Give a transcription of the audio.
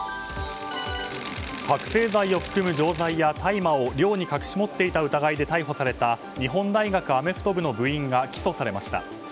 覚醒剤を含む錠剤や大麻を寮に隠し持っていた疑いで逮捕された日本大学アメフト部の部員が起訴されました。